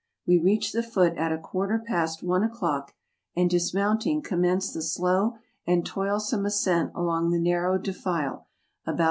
We reached the foot at a quarter past one o'clock, and, dismounting, commenced the slow and toilsome ascent along the narrow defile, about S.